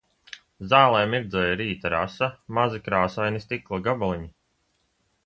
Zālē mirdzēja rīta rasa, mazi krāsaini stikla gabaliņi.